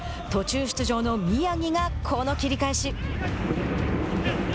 途中出場の宮城がこの切り返し。